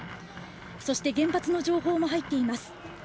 そして原発の情報も入っています。